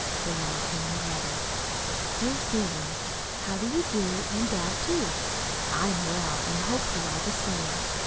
Below came the letter. DEAR SUSAN: How do you and dad do? I am well and hope you are the same.